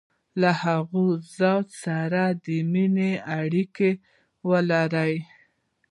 له هغه ذات سره د مینې اړیکي ولري.